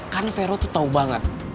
karena vero tuh tau banget